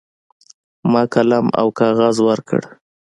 ما قلم او کاغذ ورکړ.